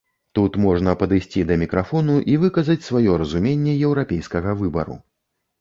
Тут можна падысці да мікрафону і выказаць сваё разуменне еўрапейскага выбару.